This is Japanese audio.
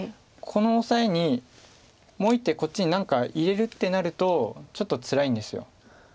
このオサエにもう１手こっちに何か入れるってなるとちょっとつらいんです。